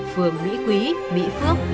phường mỹ quý mỹ phước